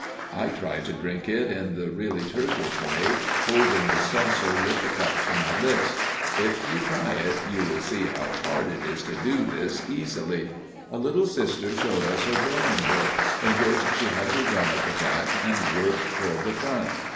I tried to drink it in the really Turkish way, holding the saucer with the cup to my lips. If you try it, you will see how hard it is to do this easily! A little sister showed us her drawing book, in which she had begun at the back and worked toward the front.